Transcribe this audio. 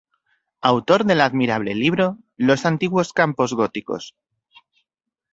Autor del admirable libro "Los antiguos Campos Góticos".